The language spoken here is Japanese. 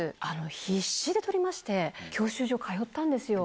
必死で取りまして、教習所通ったんですよ。